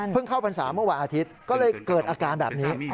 เข้าพรรษาเมื่อวานอาทิตย์ก็เลยเกิดอาการแบบนี้